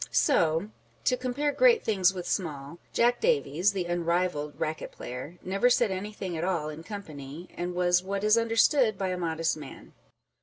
So (to compare great things with small) Jack Davies, the unrivalled racket player, never said anything at all in company, and was what is understood by a modest man.